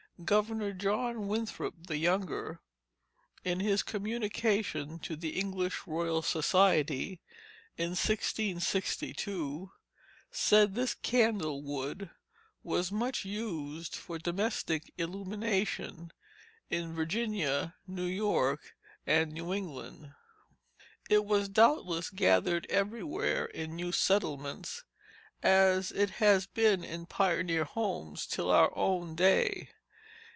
Governor John Winthrop the younger, in his communication to the English Royal Society in 1662, said this candle wood was much used for domestic illumination in Virginia, New York, and New England. It was doubtless gathered everywhere in new settlements, as it has been in pioneer homes till our own day.